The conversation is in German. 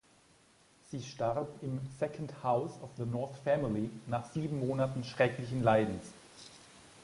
Sie starb im "Second House of the North Family" nach sieben Monaten schrecklichen Leidens.